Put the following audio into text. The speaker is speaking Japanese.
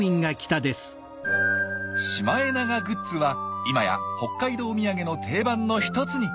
シマエナガグッズは今や北海道土産の定番の一つに。